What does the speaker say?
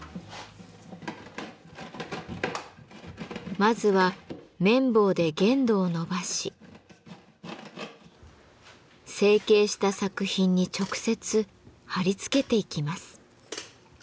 まずは麺棒で原土を延ばし成形した作品に直接貼り付けていきます。